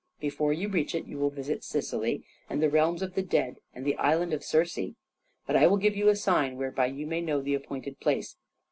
Before you reach it, you will visit Sicily, and the realms of the dead and the island of Circe. But I will give you a sign whereby you may know the appointed place.